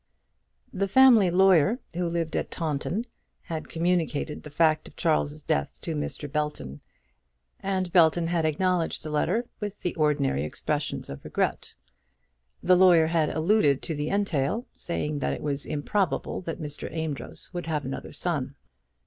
The family lawyer, who lived at Taunton, had communicated the fact of Charles's death to Mr. Belton, and Belton had acknowledged the letter with the ordinary expressions of regret. The lawyer had alluded to the entail, saying that it was improbable that Mr. Amedroz would have another son.